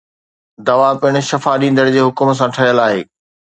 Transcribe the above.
دوا پڻ شفا ڏيندڙ جي حڪم سان ٺهيل آهي